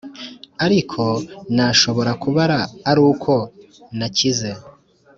ariko nashobora kubara aruko nakize."